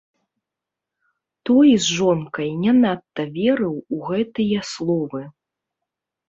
Той з жонкай не надта верыў у гэтыя словы.